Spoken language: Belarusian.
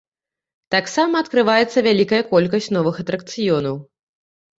Таксама адкрываецца вялікая колькасць новых атракцыёнаў.